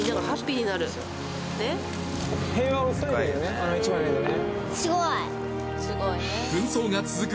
あの１枚の絵でね